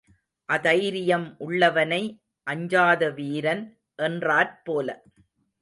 அதைரியம் உள்ளவனை அஞ்சாத வீரன் என்றாற்போல.